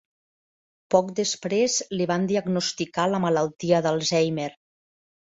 Poc després li van diagnosticar la malaltia d'Alzheimer.